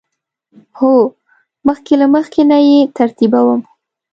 هو، مخکې له مخکی نه یی ترتیبوم